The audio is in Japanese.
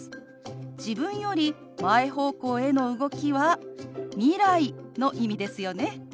自分より前方向への動きは未来の意味ですよね。